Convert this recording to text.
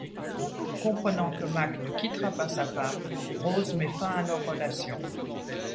Comprenant que Mac ne quittera pas sa femme, Rose met fin à leur relation.